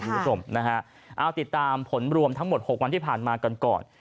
เอาติดตามผลรวมทั้งหมด๖วันที่ผ่านมากันก่อน